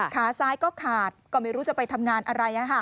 ขาซ้ายก็ขาดก็ไม่รู้จะไปทำงานอะไร